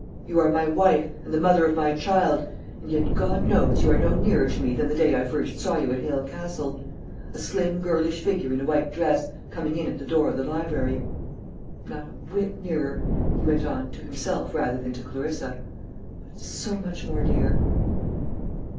You are my wife, and the mother of my child; and yet, God knows, you are no nearer to me than the day I first saw you at Hale Castle a slim, girlish figure in a white dress, coming in at the door of the library. Not a whit nearer," he went on, to himself rather than to Clarissa; "but so much more dear."